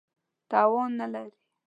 توان نه لري.